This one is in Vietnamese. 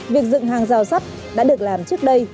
việc dựng hàng rào sắt đã được làm trước đây